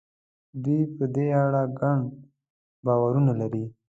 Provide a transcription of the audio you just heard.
دوی په دې اړه ګڼ باورونه لري.